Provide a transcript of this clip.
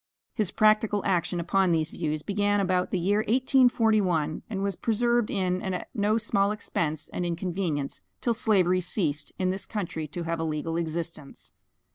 His practical action upon these views began about the year 1841, and was persevered in, at no small expense and inconvenience, till slavery ceased in this country to have a legal existence.